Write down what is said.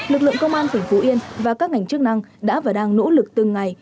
lực lượng công an tỉnh phú yên và các ngành chức năng đã và đang nỗ lực từng ngày